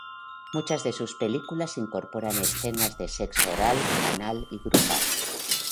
Muchas de sus películas incorporan escenas de sexo oral, anal y grupal.